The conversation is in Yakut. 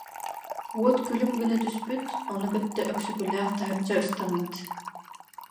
Уот күлүм гына түспүт, ону кытта Өксөкүлээх таһырдьа ыстаммыт